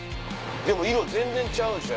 でも色全然ちゃうでしょ